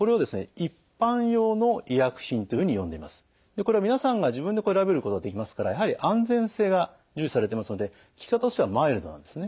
これは皆さんが自分で選べることができますからやはり安全性が重視されてますので効き方としてはマイルドなんですね。